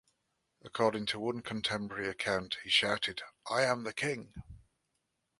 According to one contemporary account, he shouted I am the king!